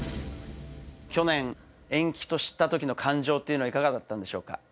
去年、延期と知ったときの感情というのは、いかがだったんでしょうか。